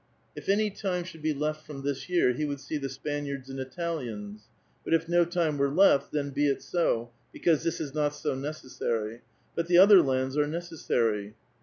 If any 'time should be left from this year, he would see the Spaniards sind Italians. But if no time were loft, then be it so, be cause this is ''not so necessary"; but the other lands are xieoessary.